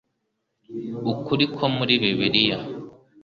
ukuri ko muri Bibiliya.